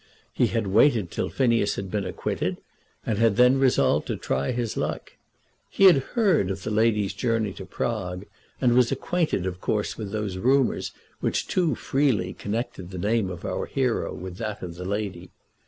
He had waited till Phineas had been acquitted, and had then resolved to try his luck. He had heard of the lady's journey to Prague, and was acquainted of course with those rumours which too freely connected the name of our hero with that of the lady.